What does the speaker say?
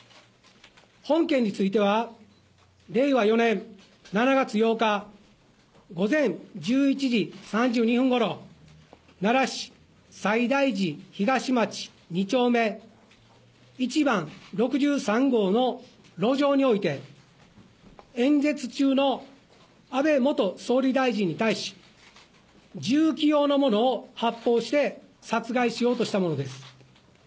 本件については、令和４年７月８日午前１１時３２分ごろ、奈良市西大寺東町２丁目１番６３号の路上において、演説中の安倍元総理大臣に対し、銃器様のものを発砲して、殺害しようとしたものです。